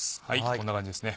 こんな感じですね。